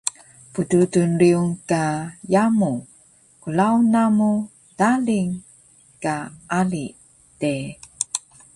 Pddudul riyung ka yamu, klaun namu daling ka ali de